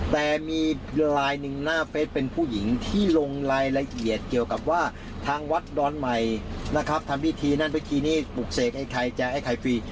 แต่มีไลน์หนึ่งหน้าเฟสเป็นผู้หญิงที่ลงรายละเอียดเกี่ยวกับว่าทางวัดดอนใหม่นะครับทำพิธีนั่นพิธีนี้ปลูกเสกไอ้ใครจะให้ใครฟรี